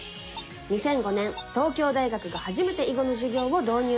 ２００５年東京大学が初めて囲碁の授業を導入。